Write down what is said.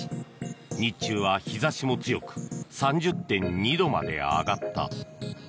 日中は日差しも強く３０．２度まで上がった。